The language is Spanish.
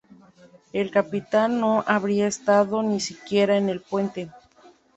El capitán no habría estado ni siquiera en el puente.